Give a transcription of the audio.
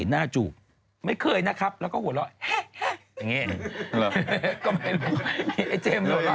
น่าเดชเขือคนแรกเลยนะ